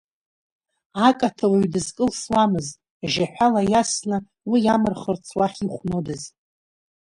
Акаҭа уаҩ дызкылсуамызт, жьаҳәала иасны, уи амырхырц, уахь ихәнодаз.